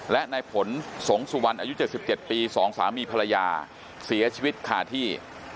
และในผลสงสุวรรณอายุ๗๗ปี๒สามีภรรยาเสียชีวิตคาที่